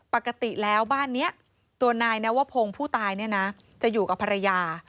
ปกติแล้วบ้านนี้ตัวนายนวพงศ์ผู้ตายเนี่ยนะจะอยู่กับภรรยา